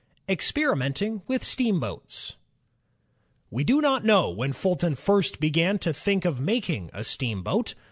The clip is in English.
ROBERT FULTON 37 Experimenting with Steamboats We do not know when Fulton first began to think of making a steamboat.